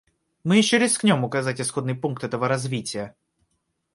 Мы еще рискнем указать исходный пункт этого развития.